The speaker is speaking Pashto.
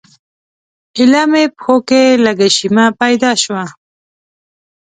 ایله مې پښو کې لږه شیمه پیدا شوه.